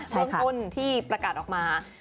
เบื้องต้นที่ประกาศออกมา